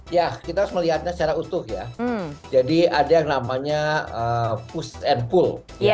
ya kita harus melihatnya secara utuh ya jadi ada yang namanya push and pull